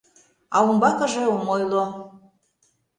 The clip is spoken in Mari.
А умбакыже ом ойло...